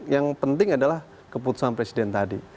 yang penting adalah keputusan presiden tadi